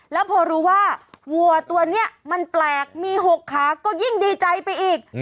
แล้วพอรู้ว่าวัวตัวนี้มันแปลกมี๖ขาก็ยิ่งดีใจไปอีก